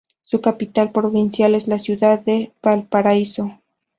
Su capital provincial es la Ciudad de Valparaíso.